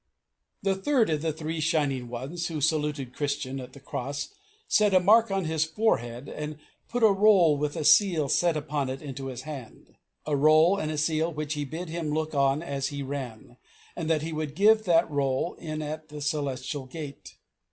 3. The third of the three Shining Ones who saluted Christian at the cross set a mark on his forehead, and put a roll with a seal set upon it into his hand. A roll and a seal which he bid him look on as he ran, and that he should give that roll in at the Celestial Gate.